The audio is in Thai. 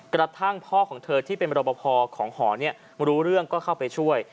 กระทั่งพ่อของเธอที่เป็นรบพอของหอรู้เรื่องก็เข้าไปช่วย